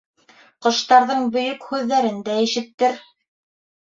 Ҡоштарҙың Бөйөк һүҙҙәрен дә ишеттер.